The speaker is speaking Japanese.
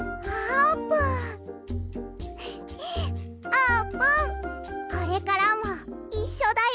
あーぷんこれからもいっしょだよ！